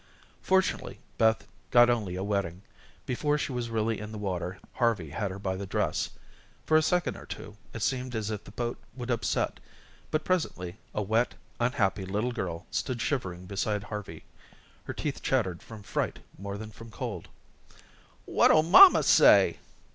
Fortunately, Beth got only a wetting. Before she was really in the water, Harvey had her by the dress. For a second or two, it seemed as if the boat would upset. But presently a wet, unhappy little girl stood shivering beside Harvey. Her teeth chattered from fright more than from cold. "What'll mamma say?"